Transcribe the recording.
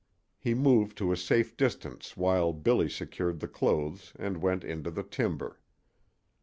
He moved to a safe distance while Billy secured the clothes and went into the timber.